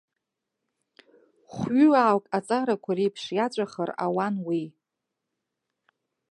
Хәҩыуаак аҵарақәа реиԥш иаҵәахыр ауан уи.